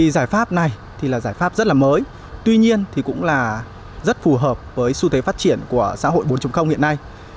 giải pháp này là giải pháp rất là mới tuy nhiên cũng là rất phù hợp với xu thế phát triển của xã hội bốn hiện nay